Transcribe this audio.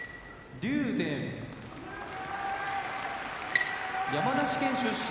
竜電山梨県出身